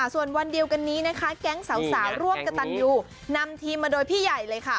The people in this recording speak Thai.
ส่วนวันเดียวกันนี้นะคะแก๊งสาวร่วมกระตันยูนำทีมมาโดยพี่ใหญ่เลยค่ะ